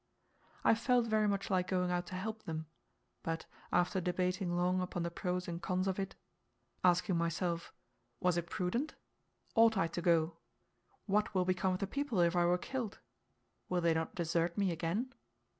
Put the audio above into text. I felt very much like going out to help them; but after debating long upon the pros and cons of it, asking myself, Was it prudent? Ought I to go? What will become of the people if I were killed? Will they not desert me again?